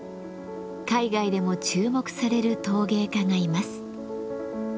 海外でも注目される陶芸家がいます。